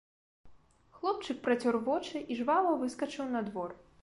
Хлопчык працёр вочы і жвава выскачыў на двор.